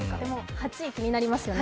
８位、気になりますよね。